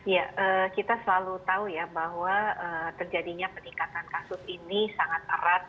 ya kita selalu tahu ya bahwa terjadinya peningkatan kasus ini sangat erat